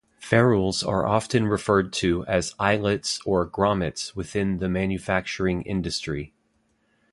Ferrules are also often referred to as "eyelets" or "grommets" within the manufacturing industry.